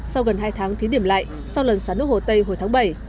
sau gần hai tháng thí điểm lại sau lần sá nước hồ tây hồi tháng bảy